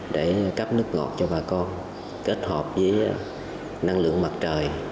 để cấp nước ngọt cho bà con kết hợp với năng lượng mặt trời